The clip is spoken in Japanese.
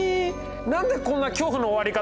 何でこんな恐怖の終わり方！？